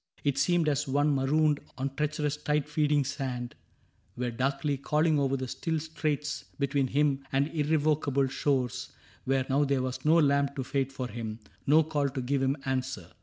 It seemed as one Marooned on treacherous tide feeding sand Were darkly calling over the still straits Between him and irrevocable shores Where now there was no lamp to fade for him. No call to give him answer.